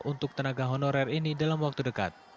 untuk tenaga honorer ini dalam waktu dekat